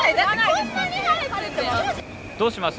こんなに晴れてどうします？